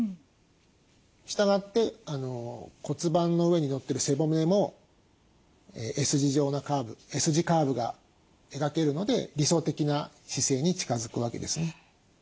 したがって骨盤の上にのってる背骨もＳ字状なカーブＳ字カーブが描けるので理想的な姿勢に近づくわけですね。